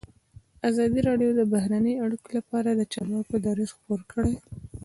ازادي راډیو د بهرنۍ اړیکې لپاره د چارواکو دریځ خپور کړی.